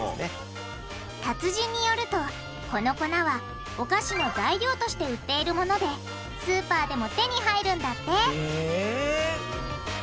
達人によるとこの粉はお菓子の材料として売っているものでスーパーでも手に入るんだって！